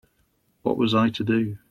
What was I to do?